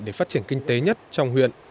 để phát triển kinh tế nhất trong huyện